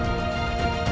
nah ini sudah hilang